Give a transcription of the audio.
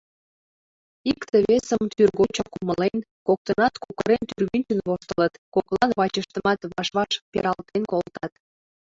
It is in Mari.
Икте-весым тӱргочак умылен, коктынат кокырен-тӱрвынчын воштылыт, коклан вачыштымат ваш-ваш пералтен колтат.